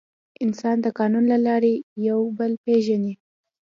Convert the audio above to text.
انسان د قانون له لارې یو بل پېژني.